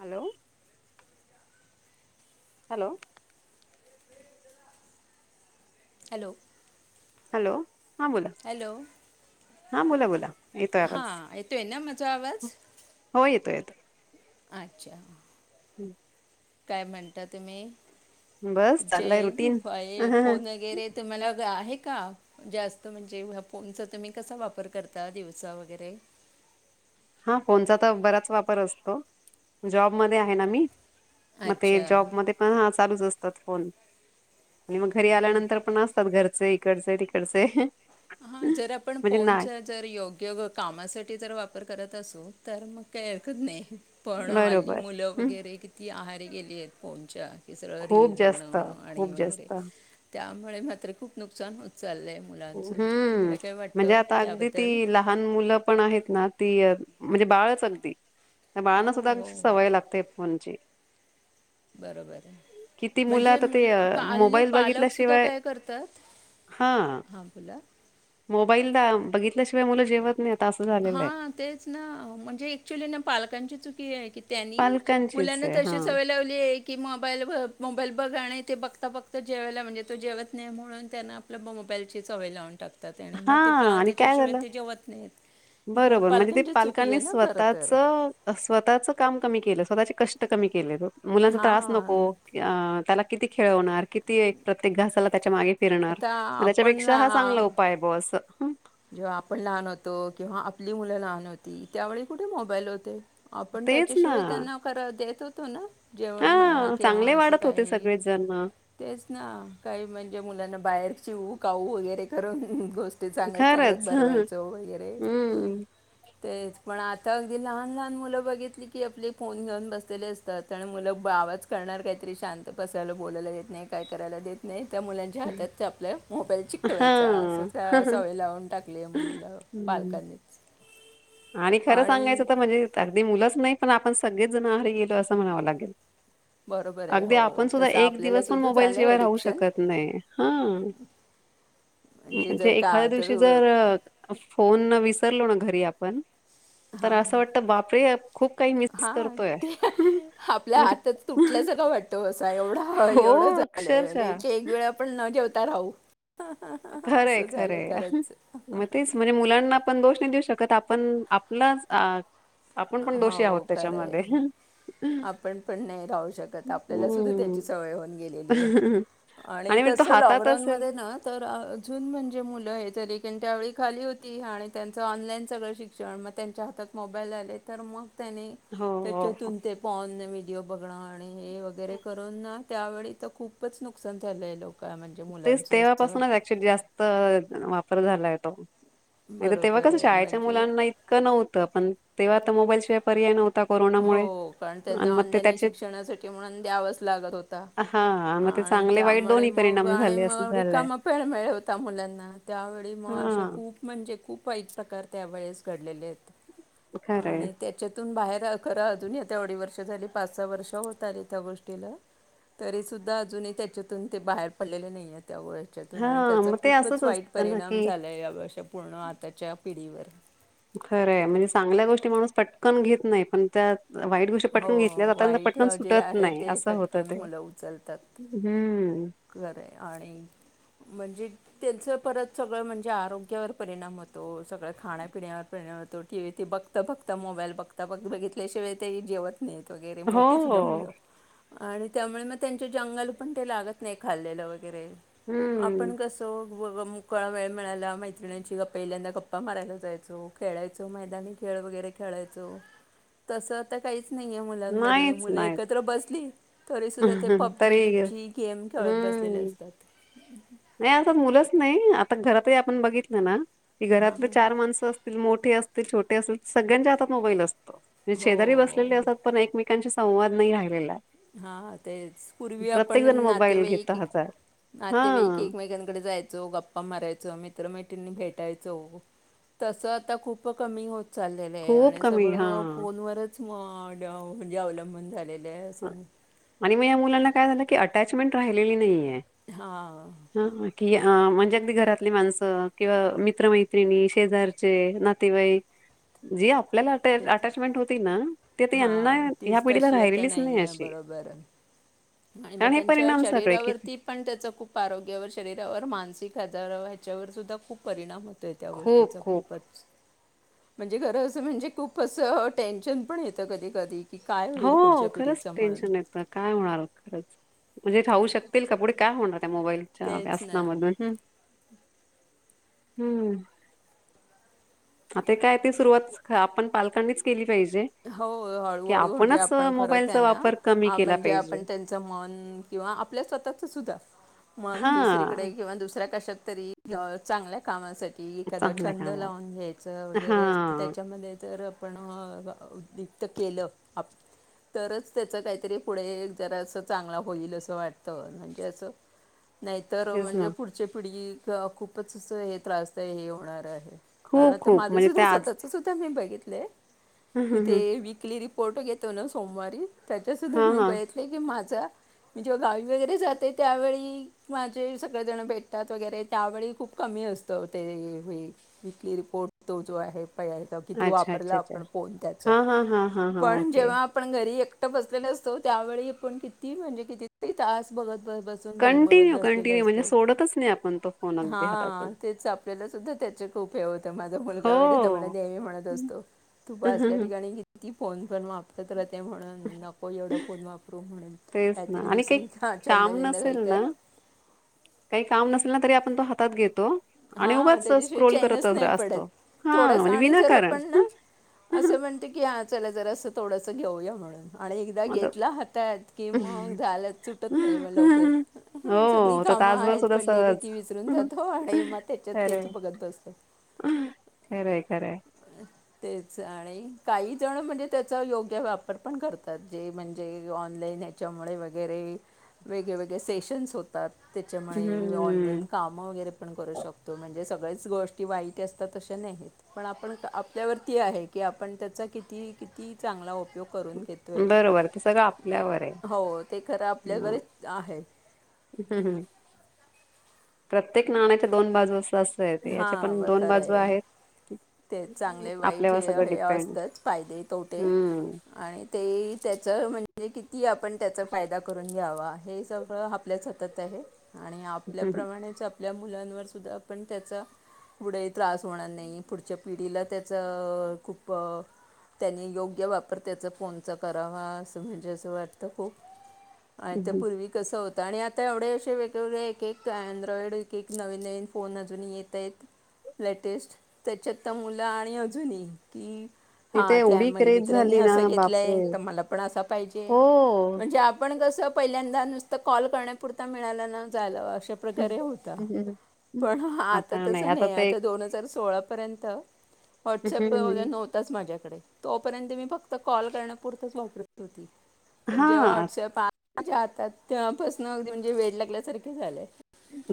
Hello hello hello hello हां बोला hello हां बोला बोला येतोय हा आवाज एतोय ना मजा आवाज. हो येतो येतो अच्छा हम्म काय म्हणता तुम्ही. बस तुमचे चाललाय रुटीन हे फोन वगैरे तुम्हाला ग आहे का जास्त म्हणजे फोनचा तुम्ही कसा वापर करता दिवसा वगैरे. हा फोनचा तर बराच वापर असतो जॉबमध्ये आहे ना मी. मग ते अच्छा जॉबमध्ये पण हा चालूच असतात फोन. आणि मग घरी आल्यानंतर पण असतात घरचे, इकडचे, तिकडचे. हा जर आपण म्हणजे नाही फोनचा जर योग्य व कामासाठी जर वापर करत असू तर मग काही हरकत नाही पण हल्ली बरोबर मुलं हम् वगैरे किती आहा गेलीऐत फोनच्या हे सगळं रिल खूप जास्त बघणं आणि खूप वगैरे जास्त त्यामुळं मात्र खूप नुकसान होत चाललंय मुलांचं. हम्म तुम्हाला काय म्हणजे वाटतं आता अगदी त्याबद्दल ती लहान मुलं पण आहेत ना ती म्हणजे बाळच अगदी त्या हो बाळांना सुद्धा हो सवय लागते फोनची बरोबर आहे. किती मुलं म्हणजे आता ते मुल अ, हल्ली मोबाईल पालक सुद्धा बघितल्याशिवाय काय करतात हा बोला मोबाईलला बघितल्याशिवाय मुलं जेवत नाही हा तेच ना म्हणजे अँकच्युअली ना पालकांची चुकी आहे कि त्यांनी पालकांचीच मुलांना आहे तशी हां. सवय लावली आहे की मोबाईल बघ मोबाईल बघ. गाणय ते बघता बघता जेवायला म्हणजे तो जेवत नाही म्हणून त्यांना आपल्या मोबाईलची चवय लावून टाक त्याने मग ते प हां आणि त्याच्या काय शिवेत झालं? ते जेवत नाही. बरोबर म्हणजे ते पालकांनी खरं स्वतःच तर. स्वतःच काम कमी केलं. स्वतःचे कष्ट कमी केले मुलांचा त्रास नको हां, अ त्याला किती खेळवणार. किती एक प्रत्येक घासाला त्याच्या मागे फिरणार आता मग आपण त्याच्यापेक्षा ला हा चांगला उपाय आहे बो अस. जेव्हा आपण लहान होतो किंवा आपली मुलं लहान होती त्यावेळी कुठे मोबाईल होते. आपण तेच ना. त्याच्याशिवाय त्यांना करा देत होतो ना जेवण म्हणा हां किंवा चांगले असं वाढत होते काही सगळेच जण तेच ना काही म्हणजे मुलांना बाहेर चिव काऊ वगैरे करून गोष्टी चांगत सांगत खरंच हं. बरवायचो वगैरे हम्म. तेच पण आता अगदी लहान लहान मुलं बघितली की आपली फोन घेऊन बसलेले असतात आणि मुलं बा आवाज करणार काहीतरी शांत पसयला बोलायला देत नाही काय करायला देत नाही त्या मुलांच्या हातात ते आपल्या मोबाईल चिकटवायचा असो हां. त्या सवय लावून टले मुल हं. पालकांनीच आणि खरं सांगायचं तर म्हणजे अगदी मुलंच नाही पण आपण सगळेच जण आ गेलो असं म्हणावं लागेल बरोबर आहे अगदी आपण हो सुद्धा तसं एक आपल्याला दिवस पण सुद्धा मोबाईल झालं आहे शिवाय राहू ॲडिक्शन शकत नाही हा म्हणजे जर का एखाद्या दिवशी तर जर फोन विसरलो ना घरी आपण तर हां असं वाटत बापरे खूप काही मिस हां, करतोय, म्हणजे आपल्या [unintelligible] एवढा हो, एवढं झालं [unintelligible] अक्षरशः. एक वेळा आपण न जेवता राहू. खरंय असं झालंय खरंय खरंच. मग तेच म्हणजे मुलांना पण दोष देऊ शकत आपण आपलच, आपण पण दोषी आहोत हो खरंय. त्याच्यामध्ये. आपण पण नाही राहू शकत आपल्याला सुद्धा त्याची हम्म. सवय होऊन गेलेली आहे. आणि म्हणजे तो कसं हातात असेल लॉकडाऊनमध्ये ना तर अून म्हणजे मुलं हे जरी त्यांच्याळी खाली होती आणि त्यांचं ऑनलाईन सगळं शिक्षण मग त्यांच्या हातात मोबाईल आले तर मग त्याने, हो हो हो. त्याच्यातून ते [unintelligible] व्हिडिओ बघन. आणि हे वगैरे करून त्यावेळी तर खूपच नुकसान झालं आहे लोक म्हणजे तेच मुलांचं असं तेव्हापासूनच वाटतं ऍक्च्युली जास्त वापर झालाय तो. नाही तेव्हा बरोबर कसं आहे शाळेच्या म्हणजे मुलांना इतकं नव्हतं पण तेव्हा आता मोबाईल शिवाय पर्याय नव्ह कोरोनामुळे, हो कारण त्यांना आणि म मग ऑनलाईन त्याचे, शिक्षणासाठी म्हणून द्यावाच लागत होता हा. चांगले वाईट दोनी परिणाम किंवा आणि झाले असं मग झालंय रिकामा पेळ मिळ होता मुलांना त्यावेळी मग असे हा. खूप म्हणजे खूप ऐक प्रकार त्या वळेस घडलेले आहेत खरंय आणि त्याच्यातून बाहेर खरा अजून या ते अवढी वर्ष झाली पाच सहा वर्ष होत आले त्या गोष्टीला तरी सुद्धा अजूनही त्याच्यातून ते बाहेर पडलेले नाहीयत. त्या वर्षातून हा आणि त्याचा मग ते खूपच असंच वाईट असतं ना परिणाम की झाला आहे या वर्षा पूर्ण आताच्या पिढीवर. खरंय म्हणजे चांगल्या गोष्टी माणूस पटकन घेत नाही पण त्यात. वाईट गोष्टी हो पटून घेतल्या जाता वाईट पटन जे सुटत आहे नाही ते असं होत पटकन ते. मुलं उचलतात हम्म. खरं आणि म्हणजे. त्यांच परत सगळं म्हणजे आरोग्यावर परिणाम होतो सगळं खाण्यापिण्यावर परिणाम होतो टीव्ही बघता बघता मोबाईल बघता बघ बघितल्याशिवाय ते जेवण.. वगैरे हो मोठी सुद्धा मुलं आणि त्यामुळे मग त्यांच्या अंगाल पण ते लागत. नाही खाल्लेलं वगैरे हम्म आपण कसं. काळा वेळ मिळायला मैत्रिणींची गप्पा पहिल्यांदा गप्पा मारयला जायचो खेळायचो मैदानी खेळ खेळ वगेरे खेळायचो तस आता काही. नाही आहे मुलांमध्ये नाहीच मुलं नाहीच एकत्र बसली तरीसुद्धा ते पपबजी तरी बिबजी गेम खेळत बसलेले हम्म असतात. नाही आताच मुलंच नाही आता घरातही आपण बघितलं ना की हां घरातले चार माणस असत. मोठे असतील छोटे असतील सगळ्यांच्या हात मोबाईल असतो म्हणे शेजारी हो बसले असतात पण एके मेकांशी संवाद नाही राहिलेला आहे. हा ते पूर्वी प्रत्येक आपण जण मोबाईल नातेवाईक, घेतो हातात हा नातेवाईक एकमेकांकडे जायचो गप्पा मारयंच मित्र मैत्रिणी भेटायचो तस आता खूप कमी चाललेलं आहे खूप आणि कमी हा सगळं फोनवरच म म्हणजे अवलंबून झालेलं आहे. असं आणि मग या मुलांना काय झालं की अटॅचमेंट राहिलेली नाहीय. हां हा बाकी अ म्हणजे अगदी घरातले माणसं किंवा मित्रमैत्रिणी शेजारचे, नातेवाई. जी आपल्याला तेच अटॅचमेंट होती ना ते यांना हां या तीच पिढीला तशी आता राहिलेलीच. नाही अशी. बरोबर. आणि मग कारण हे त्यांच्या परिणाम सगळे की शरीरावरती पण त्याच खूप आरोग्यावर, शरीरावर, मानसिक, ज ह्याच्यावर सुद्धा खूप परिणाम होतोय त्या खूप गोष्टीचा खूप खूपच म्हणजे खरं असं म्हणजे खूप असं टेन्शन पण येतं कधी, कधी. की काय होईल हो पुढच्या खरंच पिढीचं म्हणून टेन्शन येत काय होणार. खरंच म्हणजे राहु शकतील का पुढे काय होणार. त्या मोबाईलच्या तेच व्यासांना ना मधुन हम्म आता काय ते सुर्वात आपण पालकांनीच केली. पाहिजे. हो हळू की हळू म्हणजे आपणच अ, आपण करत मोबाईलचा त्यांना वापर कमी केला म्हणजे पाहिजे. आपण त्यांच मन क किंवा आपल्या स्वतःच सुद्धा. मन दुसरीकडे हां, किंवा दुसऱ्या कशात तरी चांगल्या कामासाठी की एखादा चांगल्या छंद कामावर लावून घ्यायचं वगैरे असं हां, त्याच्यामध्ये जर आपण वित केलं आप तरच त्याच काहीतरी पुढे जरा असं चांगला होईल असं वाटतं म्हणजे अस. नाहीतर तेच म्हणजे ना. पुढची पिढी खूपच अस हे त्रासदाय हे होणार आहे. कारण खूप आता माझ खूप म्हणजे ते सुद्धा आज स्वतःच सुद्धा मी बघितलंय हं, कि हं, हं. ते विकली फोटो घेतो ना सोमवारी त्याच्यासुद्धा हां, मी हां. बघितले की माझा म्हणजे मी गावी वगैरे जाते त्यावेळी माझे सगळे जण भेटतात वगैरे त्यावेळी खूप कमी असतो तो हे विकली रिपोर्ट तो जो आहे. किती अच्छा, वापरला अच्छा, अच्छा. आहे फोन त्याचि हां, हां, हां, हां, हां. पण ओके. जेव्हा आपण घरी घरी एकट बसलेलो असतो त्यावेळी आपण किती म्हणजे किती तास बघत. ब बसून कंटिन्यू, कंटिन्यू म्हणजे सोडतच नाही आप हा तेच आपल्याला सुद्धा त्याच्या. खूप हे होतं माझा मुलगा वगैरे तर मला हो. नेहमी म्हणत असतो तू बस आपल्या ठिकाणी किती फोन पण वापरत राहते म्हणून नको एवढं फोन वापरू म्हणून. तेच ना काहीतरी आणि दुसरी काही हा काम छंदबिंद नसेल काही ना कर काही काम नसेल ना तरी आपण तो हातात घेतो आणि हां उगाच त्याच्याशिवाय स्क्रोल चैनच करतच नाही पडत असतो हा थोडासा म्हणजे आणि जर विनाकारण आपण ना असं म्हणते की हा चला जरा असं थोडस घेऊया म्हणून आणि एकदा आता घेतला हातात की हो मग झालं सुुटत नाही म लवकर सगळी का तो कामा तासभर आहेत सुद्धा पडलेली सहज. ती विसरून जातो आणि मग त्याच्यात तेच खरंय बघत असत खरंय खरंय तेच आणि काही जण म्हणजे त्याचा योग्य वापर पण करतात जे म्हणजे ऑनलाईन ह्याच्यामुळे वगैरे वेगळेवेेगळे सेशन्स होतात त्याच्यामुळे ऑनलाईन हम्म काम वगैरे पण करू शकतो म्हणजे सगळेच गोष्ट वाईट असतात अशी नाही पण आपण त्यावरती आहे की आपण त्याचा किती किती चांगला उपयोग करून घेतोय बरोबर ते सगळं आपल्यावर आहे. हो ते खरा आपल्या वरच आहे हम्म हम्म प्रत्येक नाण्याच्या दोन बाजू अस अस आहे ते याचे हां पण व दोन खरं बाजू आहे आहेत ते चांगले वाईट आपल्यावर हे सगळं हे डिपेंड असतच फायदे तोटे हम्म. आणि ते त्याच म्हणे म्हणजे किती आपण त्याचा फायदा करून घ्यावा हे सगळं आपल्याच हातात आहे आणि आपल्याप्रमाणेच आपल्या मुलांवरसुद्धा पण त्याचा पुढे त्रास होणार नाही पुढच्या पिढीला त्याचं खूप त्यांनी योग्य वापर त्याचा फोनचा करावा असं म्हणजे असं वाटतं खूप आणि त्या पूर्वी कसं हो त आणि आता एवढे असे वेगवेगळे एक एक अँड्रॉइड एक एक नवीन नवीन फोन अजून येत आहेत. लेटेस्ट त्याच्यात तर मुलं आणि अजूनही की तिथे हां त्या एवढी माझ्या क्रेज मित्रांनी झाली ना असं घेतलंय बापरे तर मला पण असा पाहिजे हो. म्हणजे आपण कस पहिल्यांदा नुसतं कॉल करण्यापुरता मिळालं न झालं अशा प्रकारे होता पण आता तसं नाहीये आता दोन हजार स सोळापर्यंत वॉट्सअप वगैरे नव्हताच माझ्य कडे तोपर्यंत मी फक्त कॉल करण्या पुरतच वापरत होती पण जेव्हा हा वॉट्सॲप आ ला माझ्या हातात तेंव्हापासन अगदी म्हणजे वेड लागल्यासारखे झालंय.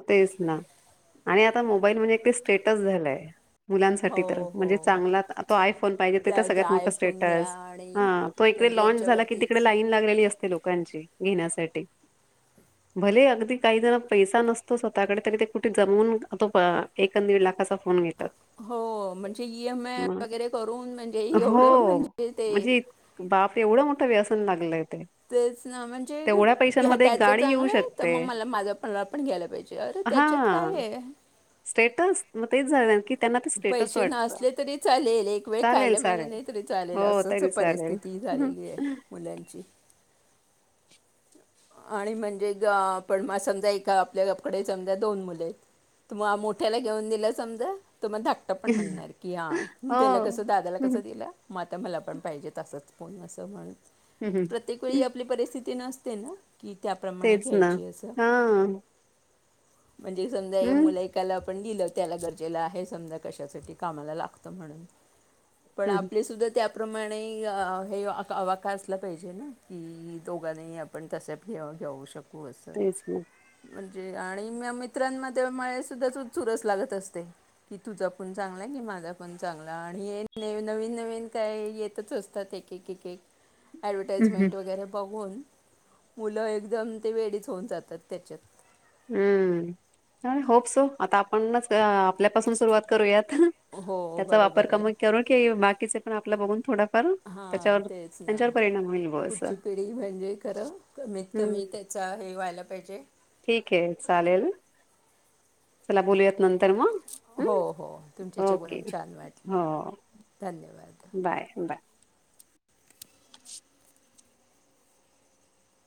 तेच ना आणि आता मोबाईल म्हणजे ते एक स्टेटस झालंय. मुलांसाठी तर हो हो म्हणजे चांगला तो आयफोन पाहिजे ते तर त्याचा सगळ्यात मोठा आयफोन घ्या स्टेटस आणि हां तो एक तिकडे म्हणजे लाँच झाला की तिकडे याच्यावरतीच लाईन लागलेली अस ते लोकांची घेण्यासाठी भलेही अगदी काही जण पैसा नस तो स्वतःकडे तरी ते कुठे जमवून तो एक दीड लाखाचा फोन घेतात. हो म्हणजे ई एम आय मग वगैरे करून म्हणजे एवढं म्हणजे ते तेवढं मोठं व्यसन लागलंय. ते तेच ना म्हणजे तेवढ्या पैशांमध्ये एक त्याच गाडी येऊ चांगलंय तर शकते. मग मला माझा माला पण घ्या यला पाहिजे अरे त्याच्यात हा काय आहे? स्टेटस मग तेच झालं की. त्यांना ते स्टेटस पैसे वाटतं. नसले तरी चालेल एक वेळ चालेल खायला मिळाले चालेल नाही तरी चालेल हो असच तरी चालेल. परिस्थिती झालेली आहे मुलांची. आणि म्हणजे आपण म समजा एका आपल्याकडे समजा दोन मुले आहेत. तुम्हा मोठ्याला घेऊन दिलं समजा, तो मग धाकटा पण म्हणणार की हां हो. त्याला कसं दादाला कस हं, दिलं? मग आता मला पण पाहिजे तसंच फोन असं म्हणत हं, प्रत्येक वेळी आपली परिस्थिती नसते ना? की त्याप्रमाणे तेच ना. घ्यायची असं. हां. म्हणजे समजा हे हं, मुलं एकाला आपण दिलं त्याला गरजेला आहे समजा कशासाठी कामाला लागत म्हणून. पण हं, आपले सुद्धा त्या त्या प्रमाणे हे अवाख असला पाहिजे ना की दोघांनाही आपण तश्या घेऊ शकू असं. तेच ना. म्हणजे आणि म मित्रांमध्ये म सुद्धा तू चुरस लागत असते की तुझा पण चांगला आहे माझा पण चांगला आणि नवीन नवीन काही येतच असतात एक एक एक एक हं. ॲडव्हटाईजमेंट वगैरे बघून मुलं एकदम ते वेडीच होऊन जातात त्याच्यात. हम्म होप सो आता आपणच आपल्यापासून सुरुवात करूयात. हो त्याचा वापर बरोबर आहे कमी करून की बाकीचे पण आपला बघून थोड करू हां त्याच्यावर तेच ना त्यांच्यावर परिणाम होईल. बुवा असं. पुढची पिढी म्हणजे खरं कमीत हं, कमी त्याचा हे व्हायला पाहिजे ठीक आहे चालेल. चला बोलूयात नंतर मग हो हम्म हो तुमच्याशी ओके बोलून छान वाटलं हो. धन्यवाद. Bye bye.